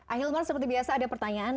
akhil umar seperti biasa ada pertanyaan